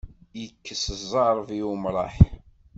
Ikkes ẓẓerb, i umṛaḥ.